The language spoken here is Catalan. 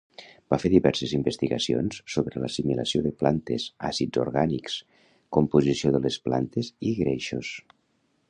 Va fer diverses investigacions sobre l'assimilació de plantes, àcids orgànics, composició de les plantes i greixos.